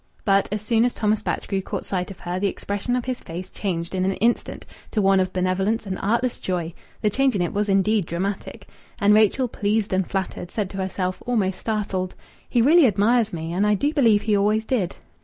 But as soon as Thomas Batchgrew caught sight of her the expression of his faced changed in an instant to one of benevolence and artless joy; the change in it was indeed dramatic. And Rachel, pleased and flattered, said to herself, almost startled "He really admires me. And I do believe he always did."